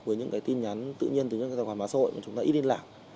với những tin nhắn tự nhiên từ những tài khoản mạng xã hội mà chúng ta ít liên lạc